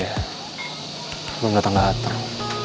belum datang gak terang